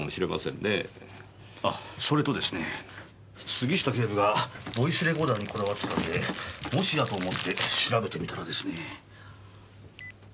あそれとですね杉下警部がボイスレコーダーにこだわってたんでもしやと思って調べてみたらですね。